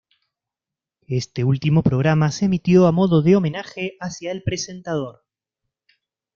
Este último programa se emitió a modo de homenaje hacia el presentador.